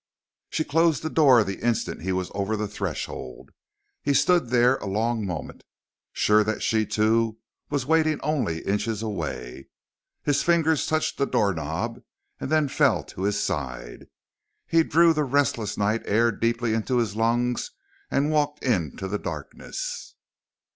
She closed the door the instant he was over the threshold. He stood there a long moment, sure that she, too, was waiting only inches away. His fingers touched the doorknob, then fell to his side. He drew the restless night air deeply into his lungs and walked into the darkness.